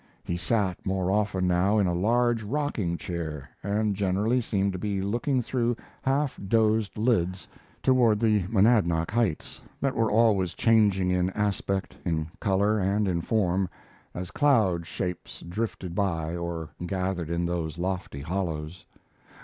He sat more often now in a large rocking chair, and generally seemed to be looking through half dosed lids toward the Monadnock heights, that were always changing in aspect in color and in form as cloud shapes drifted by or gathered in those lofty hollows.